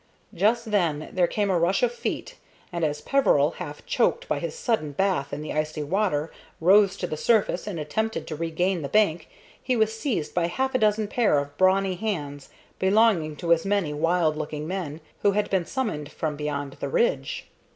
Just then there came a rush of feet, and as Peveril, half choked by his sudden bath in the icy water, rose to the surface and attempted to regain the bank he was seized by half a dozen pair of brawny hands belonging to as many wild looking men who had been summoned from beyond the ridge.